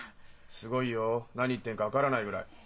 すごいよ何言ってるか分からないぐらい。